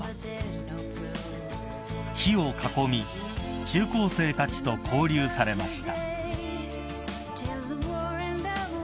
［火を囲み中高生たちと交流されました］